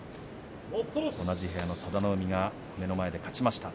同じ部屋の佐田の海が目の前で勝ちました。